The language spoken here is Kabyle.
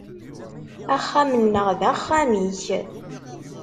Axxam-nneɣ d axxam-ik.